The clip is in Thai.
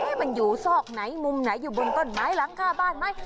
มันอยู่ซอกไหนมุมไหนอยู่บนต้นไม้หลังคาบ้านไหม